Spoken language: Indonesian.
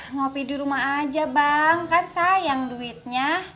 ngopi di rumah aja bang kan sayang duitnya